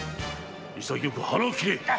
潔く腹を切れ！